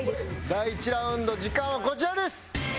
第１ラウンド時間はこちらです！